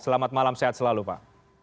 selamat malam sehat selalu pak